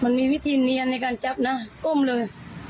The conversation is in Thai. มันมีวิธีเนียนในการจับนะก้มเลย